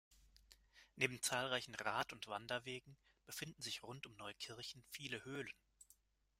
Neben zahlreichen Rad- und Wanderwegen befinden sich rund um Neukirchen viele Höhlen.